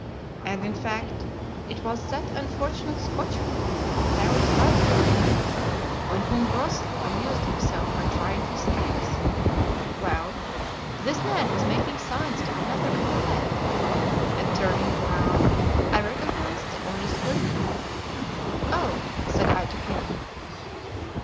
And, in fact, it was that unfortunate Scotchman, Parry's brother, you know, on whom Groslow amused himself by trying his strength. Well, this man was making signs to another at my left, and turning around I recognized the honest Grimaud. 'Oh!' said I to him.